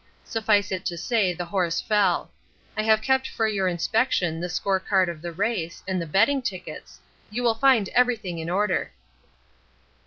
Suffice it to say the horse fell. I have kept for your inspection the score card of the race, and the betting tickets. You will find everything in order."